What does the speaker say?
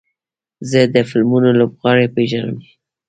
زه د فلمونو لوبغاړي پیژنم.